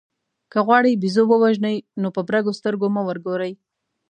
که غواړئ بېزو ووژنئ نو په برګو سترګو مه ورګورئ.